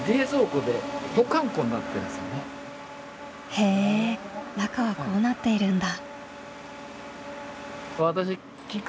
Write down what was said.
へえ中はこうなっているんだ。